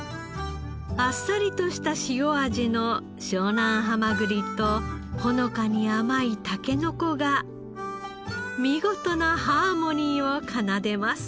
あっさりとした塩味の湘南はまぐりとほのかに甘いタケノコが見事なハーモニーを奏でます。